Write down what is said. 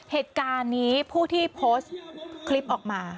เหตุการณ์นี้ผู้ที่โพสต์คลิปออกมา